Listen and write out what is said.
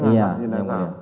iya yang mulia